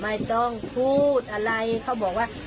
ไม่ต้องพูดอะไรเขาบอกว่า